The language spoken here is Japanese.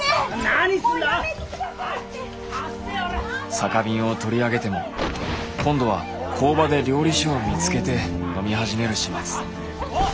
酒瓶を取り上げても今度は工場で料理酒を見つけて飲み始める始末。